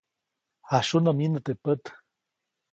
Jasyunä myinä teʼ pät.